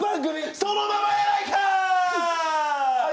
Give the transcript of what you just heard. そのままやないかーい！